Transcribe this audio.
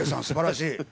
すばらしい！